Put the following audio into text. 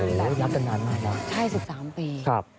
รับตำนานมาแล้วใช่๑๓ปี